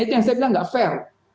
itu yang saya bilang nggak fair